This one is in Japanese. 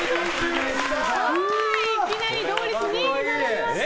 いきなり同率２位に並びました。